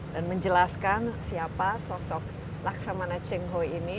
dan menjelaskan siapa sosok laksamana cheng ho ini